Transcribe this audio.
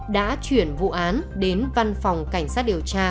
đã chuyển vụ án đến văn phòng cảnh sát điều tra